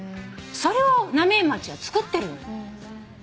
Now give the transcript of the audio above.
それを浪江町はつくってるのよ。